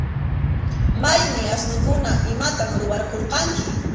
¿Maymi asnukuna? ¿Imatam rurarqurqanki?